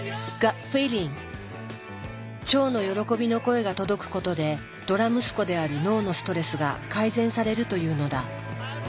腸の喜びの声が届くことでドラ息子である脳のストレスが改善されるというのだ。